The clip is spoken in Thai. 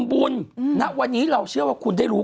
คุณหนุ่มกัญชัยได้เล่าใหญ่ใจความไปสักส่วนใหญ่แล้ว